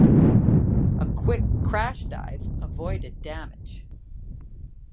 A quick crash dive avoided damage.